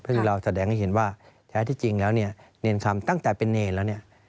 ก็คือเราแสดงให้เห็นว่าแท้ที่จริงแล้วเนี่ยเนรคำตั้งแต่เป็นเนรแล้วเนี่ย